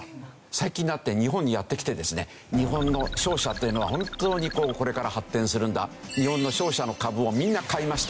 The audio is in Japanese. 最近になって日本にやって来てですね日本の商社というのは本当にこれから発展するんだ日本の商社の株をみんな買いました